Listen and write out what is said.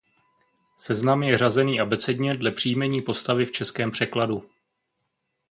Seznam je řazený abecedně dle příjmení postavy v českém překladu.